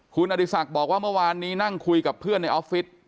คุณอดีศักดิ์บอกว่าเมื่อวานนี้นั่งคุยกับเพื่อนในออฟฟิศ